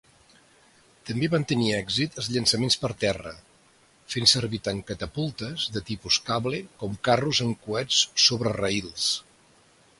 També van tenir èxit els llançaments per terra, fent servir tant catapultes de tipus cable com carros amb coets sobre rails.